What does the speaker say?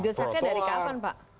didesaknya dari kapan pak